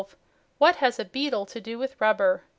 What has a beetle to do with rubber?